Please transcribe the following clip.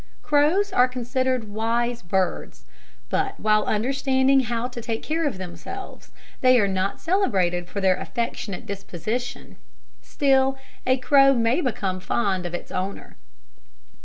Crows are considered wise birds; but, while understanding how to take care of themselves, they are not celebrated for their affectionate disposition. Still a crow may become fond of its owner.